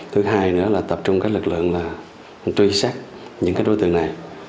thứ hai nữa là tập trung các lực lượng là truy xét những đối tượng này